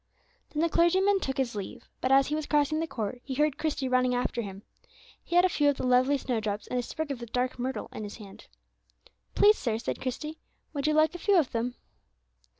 Then the clergyman took his leave, but, as he was crossing the court, he heard Christie running after him. He had a few of the lovely snowdrops and a sprig of the dark myrtle in his hand. "Please, sir," said Christie, "would you like a few of them?"